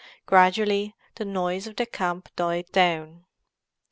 Gradually the noise of the camp died down.